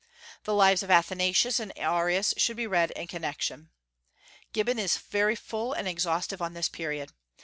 The lives of Athanasius and Arius should be read in connection. Gibbon is very full and exhaustive on this period.